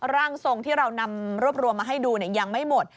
ร่างทรงที่เรานำรวบรวมมาให้ดูยังไม่หมด